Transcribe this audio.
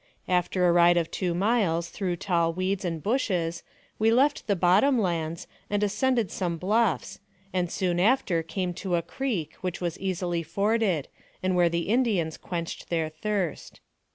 After a ride of two miles, through tall weeds and bushes, we left the bottom lands, and ascended some bluffs, and soon after came to a creek, which was easily forded, and where the Indians quenched their thirst.